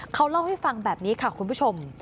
เขาเล่าให้ฟังแบบนี้ค่ะคุณผู้ชม